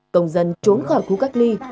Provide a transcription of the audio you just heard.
công dân trốn khỏi khu cách ly